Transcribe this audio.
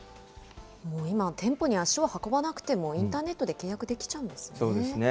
今、店舗に足を運ばなくても、インターネットで契約できちゃうそうですね。